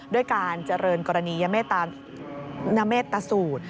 ด้วยการเจริญกรณีนเมตตสูตร